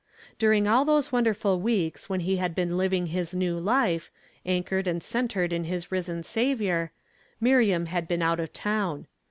During all tljose won derful weeks that he had been living his new life, anchored and centred in his risen Saviour, Miriam had been out of town.